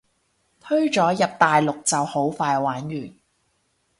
推咗入大陸就好快玩完